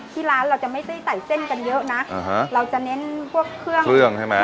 ที่ร้านเราจะไม่ได้ใส่เส้นกันเยอะนะอ่าฮะเราจะเน้นพวกเครื่องเครื่องใช่ไหม